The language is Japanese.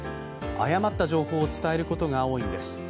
誤った情報を伝えることが多いんです。